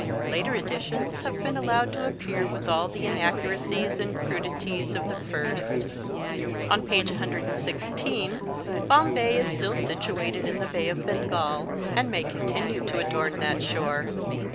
Later editions have been al lowed to appear with all the inaccuracies and crudities of the first. On page 1 1 6, Bom bay is still situated in the Bay of Bengal, and may continue to adorn that shore.